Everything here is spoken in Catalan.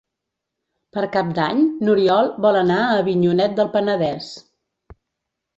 Per Cap d'Any n'Oriol vol anar a Avinyonet del Penedès.